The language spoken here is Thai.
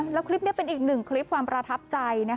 แล้วคลิปนี้เป็นอีกหนึ่งคลิปความประทับใจ